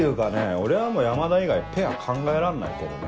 俺はもう山田以外ペア考えらんないけどね。